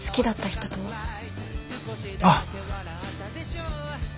ああ。